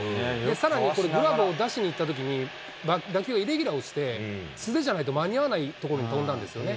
さらにこれ、グラブを出しにいったときに、打球がイレギュラーをして、素手じゃないと間に合わないところに飛んだんですよね。